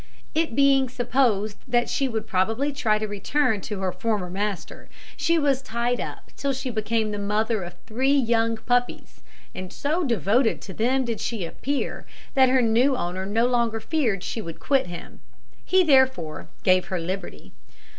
It being supposed that she would probably try to return to her former master, she was tied up till she became the mother of three young puppies; and so devoted to them did she appear, that her new owner no longer feared she would quit him. He therefore gave her her liberty.